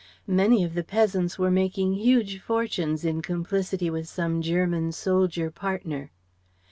Many of the peasants were making huge fortunes in complicity with some German soldier partner.